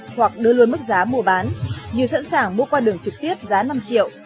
hoặc đưa luôn mức giá mua bán như sẵn sàng mua qua đường trực tiếp giá năm triệu